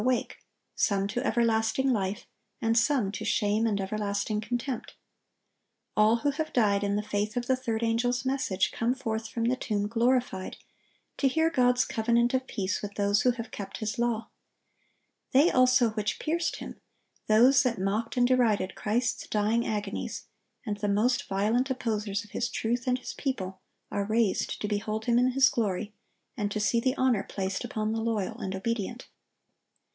awake, some to everlasting life, and some to shame and everlasting contempt."(1096) All who have died in the faith of the third angel's message come forth from the tomb glorified, to hear God's covenant of peace with those who have kept His law. "They also which pierced Him,"(1097) those that mocked and derided Christ's dying agonies, and the most violent opposers of His truth and His people, are raised to behold Him in His glory, and to see the honor placed upon the loyal and obedient.